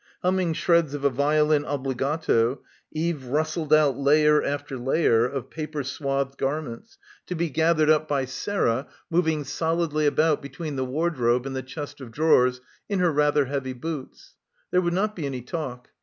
Humming shreds of a violin obligate, Eve rustled out layer after layer of paper swathed garments, to be gathered up by Sarah moving solidly about between the wardrobe and the chest of drawers in her rather heavy boots. There would not be any talk.